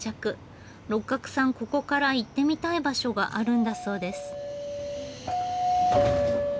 ここから行ってみたい場所があるんだそうです。